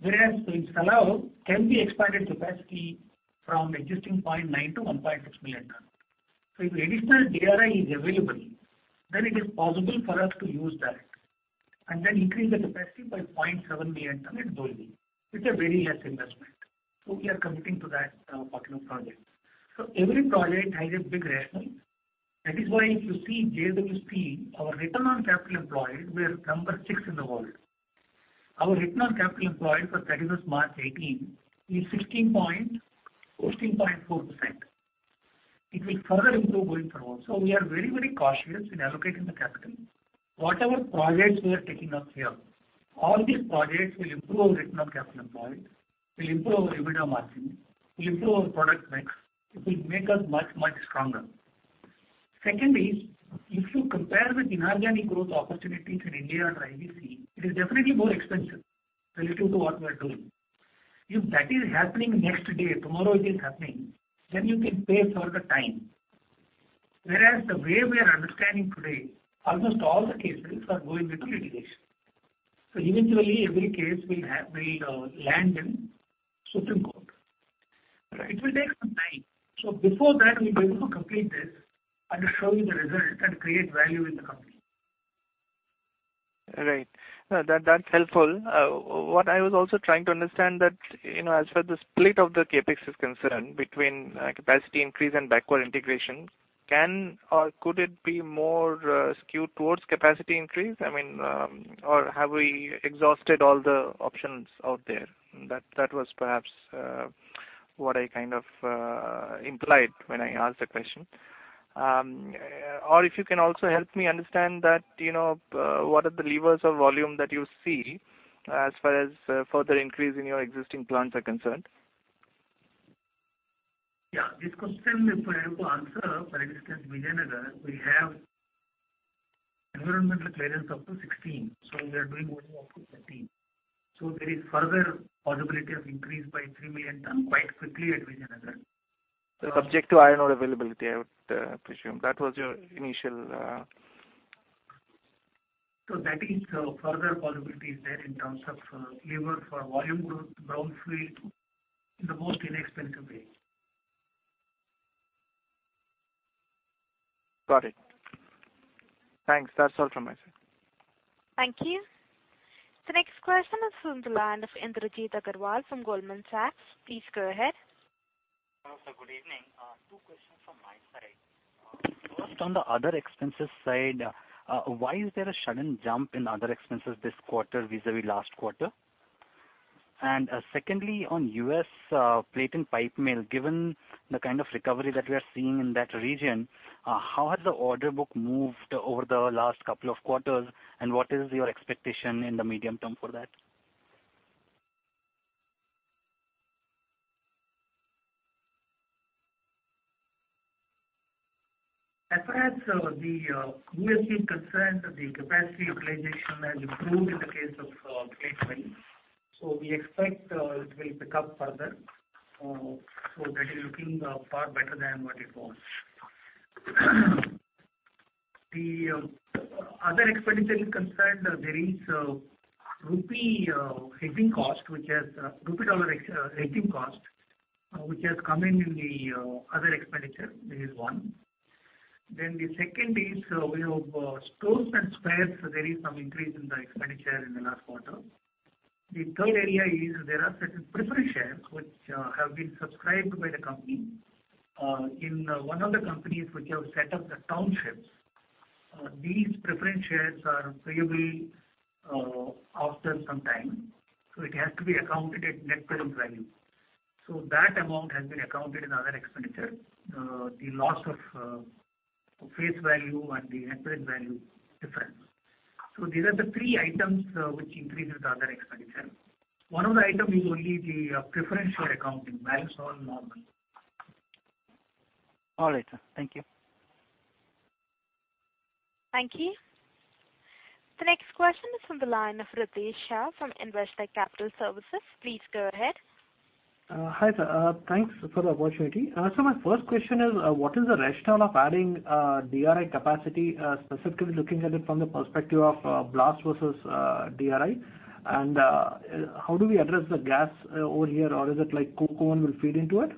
Whereas in Salem, can we expand the capacity from existing 0.9 to 1.6 million ton? If additional DRI is available, then it is possible for us to use that and then increase the capacity by 0.7 million ton at Dolvi. It's a very less investment. We are committing to that particular project. Every project has a big rationale. That is why if you see JSW Steel, our return on capital employed was number six in the world. Our return on capital employed for 31 March 2018 is 16.164%. It will further improve going forward. We are very, very cautious in allocating the capital. Whatever projects we are taking up here, all these projects will improve our return on capital employed, will improve our EBITDA margin, will improve our product mix. It will make us much, much stronger. Second is, if you compare with inorganic growth opportunities in India and IBC, it is definitely more expensive relative to what we are doing. If that is happening next day, tomorrow it is happening, then you can pay for the time. Whereas the way we are understanding today, almost all the cases are going into litigation. Eventually, every case will land in Supreme Court. It will take some time. Before that, we will be able to complete this and show you the result and create value in the company. Right. That is helpful. What I was also trying to understand is that as far as the split of the CapEx is concerned between capacity increase and backward integration, can or could it be more skewed towards capacity increase? I mean, or have we exhausted all the options out there? That was perhaps what I kind of implied when I asked the question. If you can also help me understand, what are the levers of volume that you see as far as further increase in your existing plants are concerned? Yeah. This question is very important to answer. For instance, Vijayanagar, we have environmental clearance up to 16. So we are doing only up to 13. So there is further possibility of increase by 3 million ton quite quickly at Vijayanagar. Subject to iron ore availability, I would presume. That was your initial. So that is further possibilities there in terms of lever for volume growth, brownfield, in the most inexpensive way. Got it. Thanks. That's all from my side. Thank you. The next question is from the line Indrajit Agarwal from Goldman Sachs. Please go ahead. Hello. Good evening. Two questions from my side. First, on the other expenses side, why is there a sudden jump in other expenses this quarter vis-à-vis last quarter? Secondly, on US plate and pipe mill, given the kind of recovery that we are seeing in that region, how has the order book moved over the last couple of quarters, and what is your expectation in the medium term for that? As far as the US is concerned, the capacity utilization has improved in the case of plate mill. We expect it will pick up further. That is looking far better than what it was. The other expenditure is concerned, there is rupee hedging cost, which has rupee dollar heating cost, which has come in in the other expenditure. This is one. The second is we have stores and spares. There is some increase in the expenditure in the last quarter. The third area is there are certain preferred shares which have been subscribed by the company. In one of the companies which have set up the townships, these preferred shares are payable after some time. It has to be accounted at net present value. That amount has been accounted in other expenditure, the loss of face value and the net present value difference. These are the three items which increase in the other expenditure. One of the item is only the preferred share accounting, balance all normal. All right, sir. Thank you. Thank you. The next question is from the line of Ritesh Shah from Investec Capital Services. Please go ahead. Hi, sir. Thanks for the opportunity. My first question is, what is the rationale of adding DRI capacity, specifically looking at it from the perspective of blast versus DRI? How do we address the gas over here, or is it like coke oven will feed into it?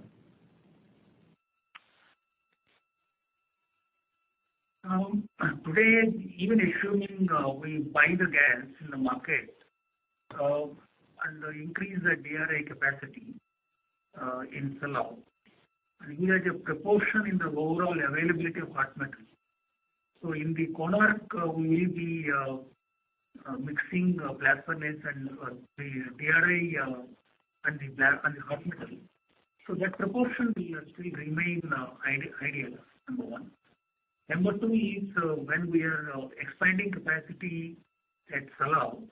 Today, even assuming we buy the gas in the market and increase the DRI capacity in Salem, we have a proportion in the overall availability of hot metal. In the converter, we will be mixing blast furnace and the DRI and the hot metal. That proportion will still remain ideal, number one. Number two is when we are expanding capacity at Salem,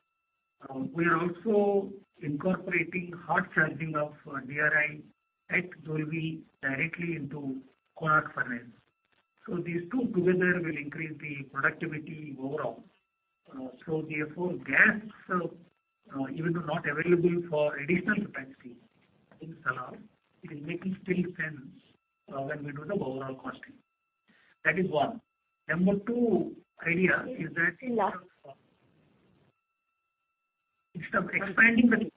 we are also incorporating hot charging of DRI at Dolvi directly into converter furnace. These two together will increase the productivity overall. Therefore, gas, even though not available for additional capacity in Salem, it is still making sense when we do the overall costing. That is one. Number two idea is that instead of expanding the.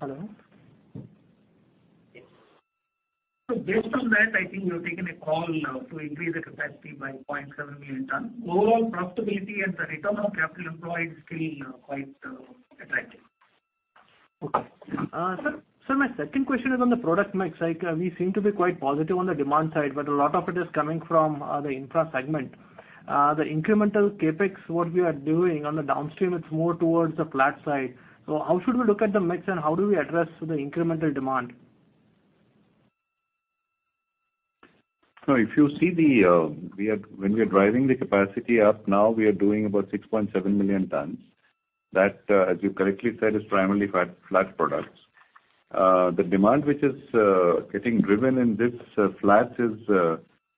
Hello? Yes. Based on that, I think we have taken a call to increase the capacity by 0.7 million ton. Overall profitability and the return on capital employed is still quite attractive. Okay. Sir, my second question is on the product mix. We seem to be quite positive on the demand side, but a lot of it is coming from the infra segment. The incremental CapEx, what we are doing on the downstream, it's more towards the flat side. How should we look at the mix and how do we address the incremental demand? If you see, when we are driving the capacity up now, we are doing about 6.7 million tons. That, as you correctly said, is primarily flat products. The demand which is getting driven in these flats is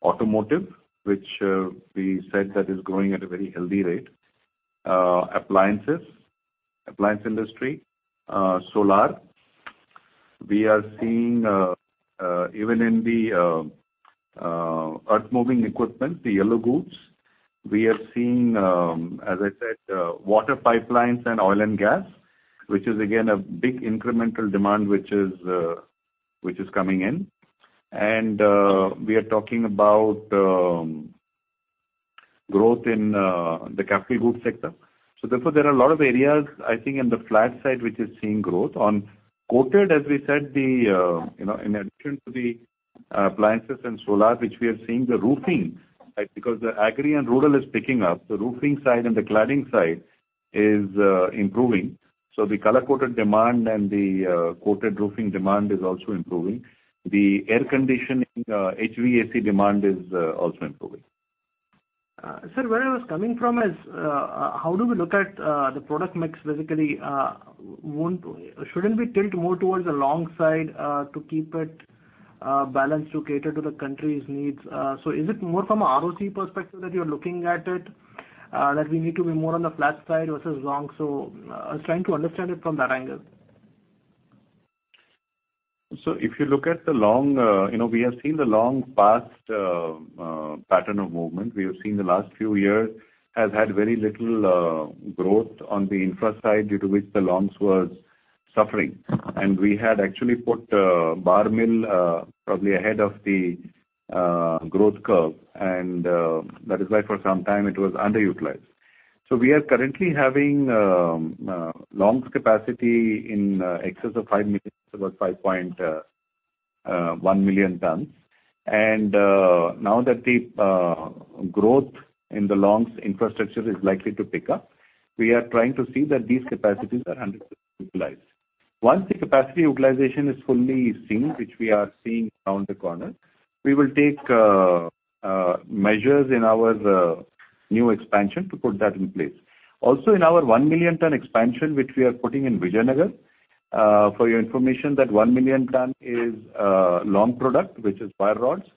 automotive, which we said is growing at a very healthy rate, appliances, appliance industry, solar. We are seeing even in the earth-moving equipment, the yellow goods. We are seeing, as I said, water pipelines and oil and gas, which is again a big incremental demand which is coming in. We are talking about growth in the capital goods sector. Therefore, there are a lot of areas, I think, in the flat side which is seeing growth. On coated, as we said, in addition to the appliances and solar, we are seeing the roofing, because the agri and rural is picking up, the roofing side and the cladding side is improving. The color-coated demand and the coated roofing demand is also improving. The air conditioning, HVAC demand is also improving. Sir, where I was coming from is, how do we look at the product mix? Basically, should not we tilt more towards the long side to keep it balanced to cater to the country's needs? Is it more from an ROCE perspective that you are looking at it, that we need to be more on the flat side versus long? I was trying to understand it from that angle. If you look at the long, we have seen the long past pattern of movement. We have seen the last few years has had very little growth on the infra side due to which the longs was suffering. We had actually put bar mill probably ahead of the growth curve. That is why for some time it was underutilized. We are currently having long capacity in excess of 5 million, about 5.1 million tons. Now that the growth in the longs infrastructure is likely to pick up, we are trying to see that these capacities are 100% utilized. Once the capacity utilization is fully seen, which we are seeing around the corner, we will take measures in our new expansion to put that in place. Also in our 1 million ton expansion, which we are putting in Vijayanagar, for your information, that 1 million ton is long product, which is wire rods,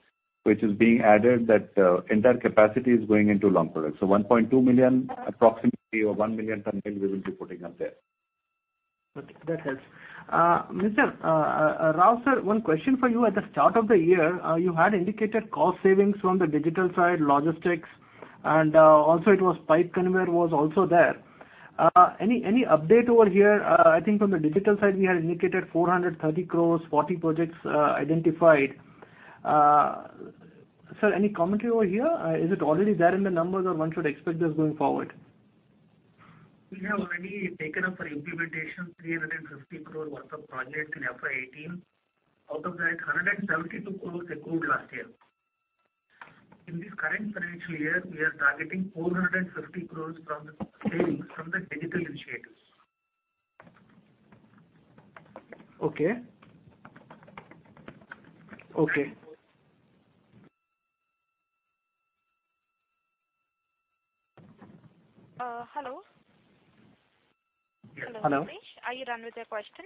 which is being added. That entire capacity is going into long product. So 1.2 million approximately or 1 million ton mill we will be putting up there. That helps. Mr. Rao, sir, one question for you. At the start of the year, you had indicated cost savings from the digital side, logistics, and also it was pipe conveyor was also there. Any update over here? I think from the digital side, we had indicated 430 crore, 40 projects identified. Sir, any commentary over here?bIs it already there in the numbers or one should expect this going forward? We have already taken up for implementation 350 crore worth of projects in FY 2018. Out of that, 172 crore accrued last year. In this current financial year, we are targeting 450 crore from the savings from the digital initiative. Okay. Okay. Hello? Yes. Hello. Are you done with your question?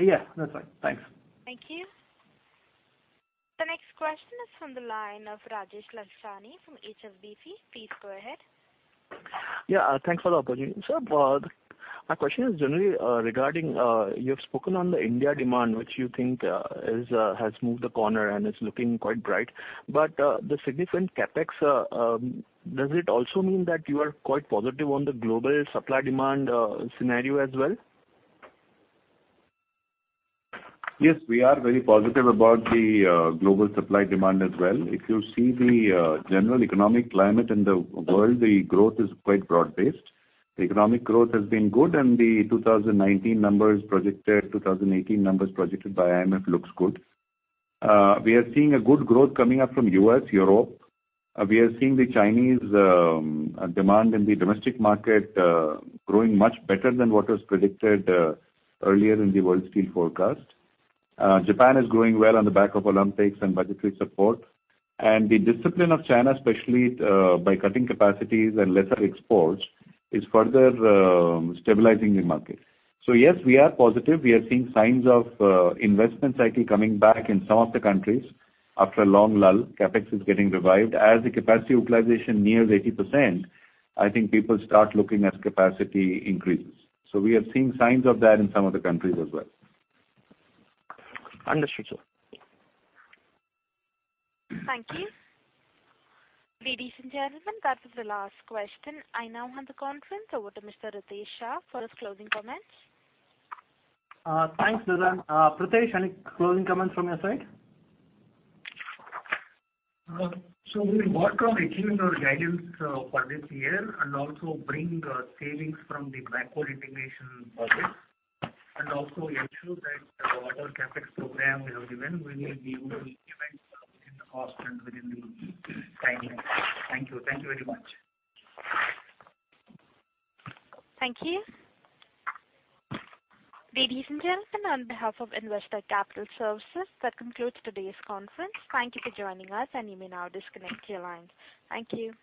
Yes. That's fine. Thanks. Thank you. The next question is from the line of Rajesh Lachhani from HSBC. Please go ahead. Yeah. Thanks for the opportunity. Sir, my question is generally regarding you have spoken on the India demand, which you think has moved the corner and is looking quite bright. But the significant CapEx, does it also mean that you are quite positive on the global supply demand scenario as well? Yes. We are very positive about the global supply demand as well If you see the general economic climate in the world, the growth is quite broad-based. The economic growth has been good, and the 2019 numbers projected, 2018 numbers projected by IMF looks good. We are seeing a good growth coming up from U.S., Europe. We are seeing the Chinese demand in the domestic market growing much better than what was predicted earlier in the World Steel forecast. Japan is growing well on the back of Olympics and budgetary support. The discipline of China, especially by cutting capacities and lesser exports, is further stabilizing the market. Yes, we are positive. We are seeing signs of investment cycle coming back in some of the countries after a long lull. CapEx is getting revived. As the capacity utilization nears 80%, I think people start looking at capacity increases. We are seeing signs of that in some of the countries as well. Understood, sir. Thank you. Ladies and gentlemen, that was the last question. I now hand the conference over to Mr. Ritesh Shah for his closing comments. Thanks, Ritesh. Pritesh, any closing comments from your side? We will work on achieving our guidance for this year and also bring savings from the backward integration budget and also ensure that whatever CapEx program we have given, we will be able to implement within the cost and within the timeline. Thank you. Thank you very much. Thank you. Ladies and gentlemen, on behalf of Investec Capital Services, that concludes today's conference. Thank you for joining us, and you may now disconnect your lines. Thank you.